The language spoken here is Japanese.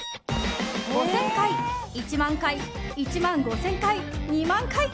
５０００回、１万回１万５０００回、２万回。